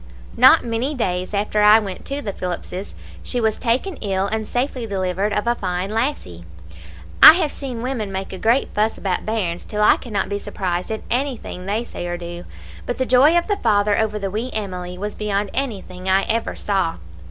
"Not many days after I went to the Phillips's, she was taken ill and safely delivered of a fine lassie. I have seen women make a great fuss about bairns, till I cannot be surprised at anything they say or do, but the joy of the father over the wee Emily was beyond anything I ever saw.